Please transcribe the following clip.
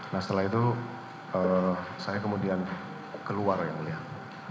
nah setelah itu saya kemudian keluar yang mulia